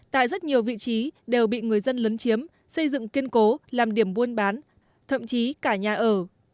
tại rất nhiều vị trí đều bị người dân lấn chiếm xây dựng kiên cố làm điểm buôn bán thậm chí cả nhà ở